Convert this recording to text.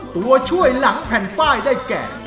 ตัวช่วยหลังแผ่นป้ายได้แก่